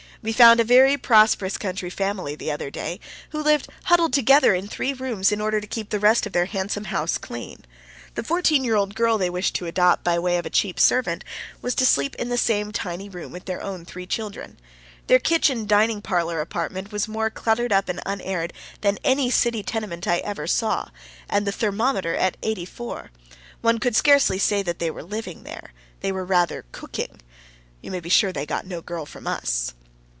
We found a very prosperous country family the other day, who lived huddled together in three rooms in order to keep the rest of their handsome house clean. The fourteen year girl they wished to adopt, by way of a cheap servant, was to sleep in the same tiny room with their own three children. Their kitchen dining parlor apartment was more cluttered up and unaired than any city tenement I ever saw, and the thermometer at eighty four. One could scarcely say they were living there; they were rather COOKING. You may be sure they got no girl from us!